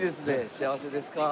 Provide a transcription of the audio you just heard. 「幸せですか？」。